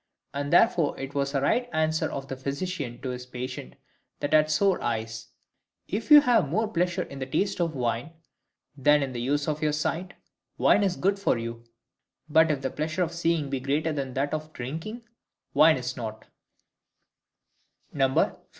And therefore it was a right answer of the physician to his patient that had sore eyes:—If you have more pleasure in the taste of wine than in the use of your sight, wine is good for you; but if the pleasure of seeing be greater to you than that of drinking, wine is naught.